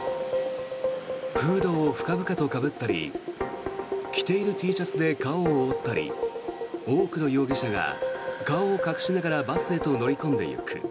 フードを深々とかぶったり着ているＴシャツで顔を覆ったり多くの容疑者が顔を隠しながらバスへと乗り込んでいく。